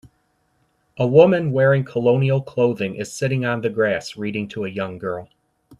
A woman wearing colonial clothing is sitting on the grass reading to a young girl.